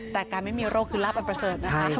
แต่การไม่มีโรคคือลาบอันประเสริฐนะคะ